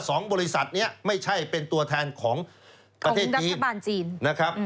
สองบริษัทนี้ไม่ใช่เป็นตัวแทนของประเทศจีนของรัฐบาลจีน